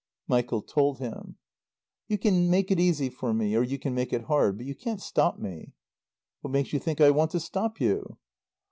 Michael told him. "You can make it easy for me. Or you can make it hard. But you can't stop me." "What makes you think I want to stop you?"